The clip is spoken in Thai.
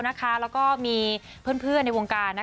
แล้วก็มีเพื่อนในวงการ